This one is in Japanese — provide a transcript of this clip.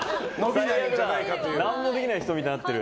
何もできない人みたいになってる。